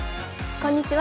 こんにちは。